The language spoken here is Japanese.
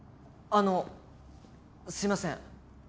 あのすいません